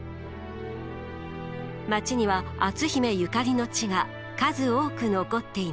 街には篤姫ゆかりの地が数多く残っています。